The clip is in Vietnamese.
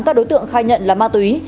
các đối tượng khai nhận là ma túy